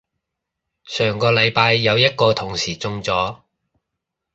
上個禮拜有一個同事中咗